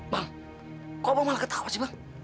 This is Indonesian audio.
bang kau bang malah ketawa sih bang